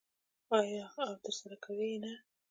آیا او ترسره کوي یې نه؟